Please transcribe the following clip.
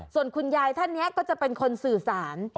ส่วนคุณยายท่านนี้ก็จะเป็นคนสื่อสาร